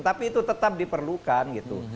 tapi itu tetap diperlukan gitu